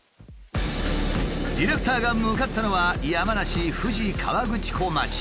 ディレクターが向かったのは山梨富士河口湖町。